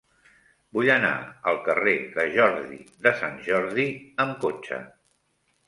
Vull anar al carrer de Jordi de Sant Jordi amb cotxe.